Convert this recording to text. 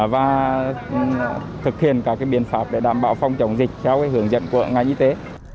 và thực hiện các biện pháp để đảm bảo phòng chống dịch theo hướng dẫn của ngành y tế